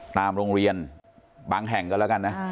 ตามโรงเรียนบางแห่งกันแล้วกันนะ